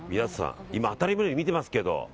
当たり前のように見てますけど。